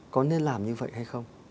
có nên làm như vậy hay không